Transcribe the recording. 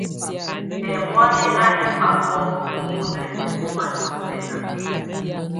Ɛ́mɔ̀á yɛ́ ná ɛbákɔ́ kumunǝ ɛmbɔ́ma niɔ̀fɛ́na.